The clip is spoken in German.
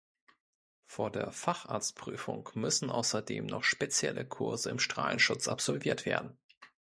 Vor der Facharztprüfung müssen außerdem noch spezielle Kurse im Strahlenschutz absolviert werden.